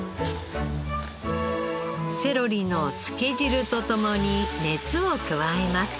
セロリのつけ汁と共に熱を加えます。